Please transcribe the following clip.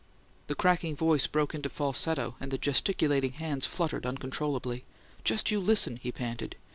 The cracking voice broke into falsetto, and the gesticulating hands fluttered uncontrollably. "Just you listen!" he panted.